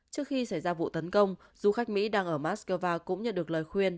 trước khi xảy ra vụ tấn công du khách mỹ đang ở moscow cũng nhận được lời khuyên